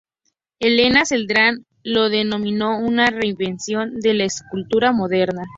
Helena Celdrán lo denominó una reinvención de la escultura moderna.